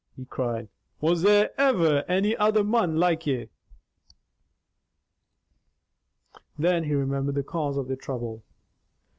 he cried. "Was there ever any other mon like ye?" Then he remembered the cause of their trouble.